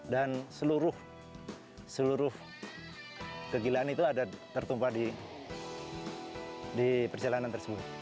dan seluruh kegilaan itu ada tertumpah di perjalanan tersebut